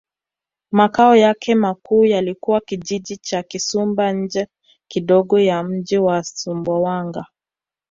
Makao yake makuu yalikuwa Kijiji cha Kisumba nje kidogo ya mji wa Sumbawanga